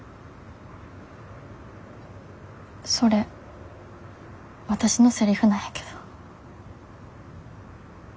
それわたしのセリフなんやけど。